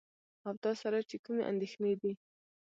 او تاسره چې کومې اندېښنې دي .